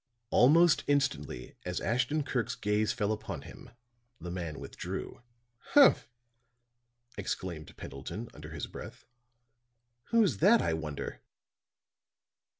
Almost instantly, as Ashton Kirk's gaze fell upon him, the man withdrew. "Humph," exclaimed Pendleton under his breath. "Who's that, I wonder?"